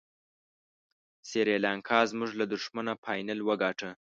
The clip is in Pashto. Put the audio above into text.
سریلانکا زموږ له دښمنه فاینل وګاټه.